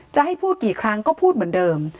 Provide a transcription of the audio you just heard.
จะให้พูดกี่ครั้งก็พูดเหมือนเดิม